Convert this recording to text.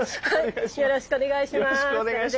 よろしくお願いします。